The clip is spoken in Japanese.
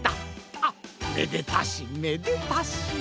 あめでたしめでたし！